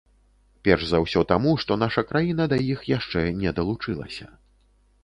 Перш за ўсё таму, што наша краіна да іх яшчэ не далучылася.